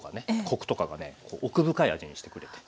コクとかがね奥深い味にしてくれて。